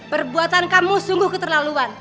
perbuatan kamu sungguh keterlaluan